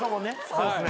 そうですね。